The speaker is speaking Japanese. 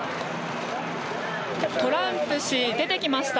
トランプ氏出てきました。